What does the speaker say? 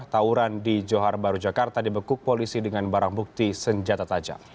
tauran di johar baru jakarta dibekuk polisi dengan barang bukti senjata tajam